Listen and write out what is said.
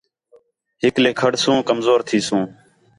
ہکلے کھڑسو کمزور تِھیسو